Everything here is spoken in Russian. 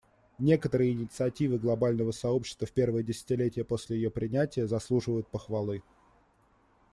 Некоторые инициативы глобального сообщества в первое десятилетие после ее принятия заслуживают похвалы.